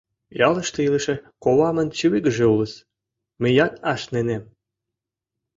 — Ялыште илыше ковамын чывигыже улыс, мыят ашнынем.